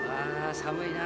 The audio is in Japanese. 寒いな。